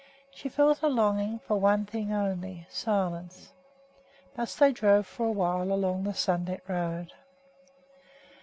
She felt a longing for one thing only, silence. Thus they drove for a while along the sunlit valley road.